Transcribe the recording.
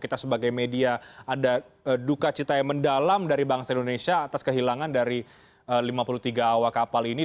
kita sebagai media ada duka cita yang mendalam dari bangsa indonesia atas kehilangan dari lima puluh tiga awak kapal ini